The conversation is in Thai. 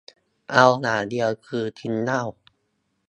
เอาอย่างเดียวคือ กินเหล้า